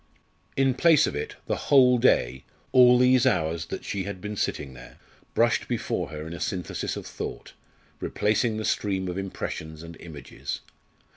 In place of it, the whole day, all these hours that she had been sitting there, brushed before her in a synthesis of thought, replacing the stream of impressions and images.